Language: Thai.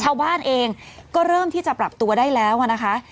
ชาวบ้านเองก็เริ่มที่จะปรับตัวได้แล้วนะคะ